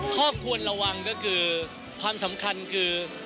ควรระวังก็คือความสำคัญคือ